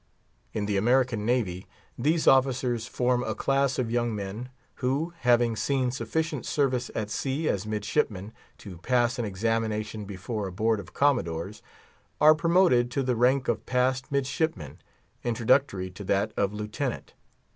In the American Navy, these officers form a class of young men, who, having seen sufficient service at sea as midshipmen to pass an examination before a Board of Commodores, are promoted to the rank of passed midshipmen, introductory to that of lieutenant.